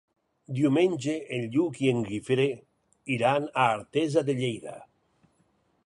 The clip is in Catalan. Diumenge en Lluc i en Guifré iran a Artesa de Lleida.